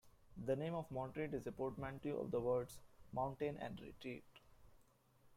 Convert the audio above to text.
The name of Montreat is a portmanteau of the words "Mountain" and "Retreat".